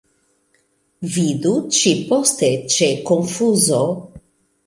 Vidu ĉi-poste ĉe Konfuzo.